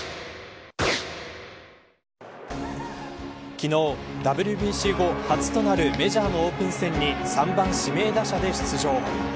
昨日、ＷＢＣ後、初となるメジャーのオープン戦に３番指名打者で出場。